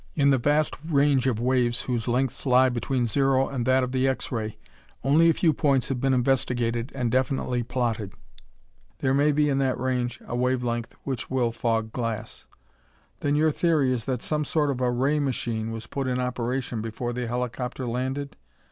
In the vast range of waves whose lengths lie between zero and that of the X ray, only a few points have been investigated and definitely plotted. There may be in that range a wave length which will fog glass." "Then your theory is that some sort of a ray machine was put in operation before the helicopter landed?"